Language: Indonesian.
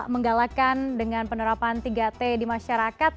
menggalakan dengan penerapan tiga t di masyarakat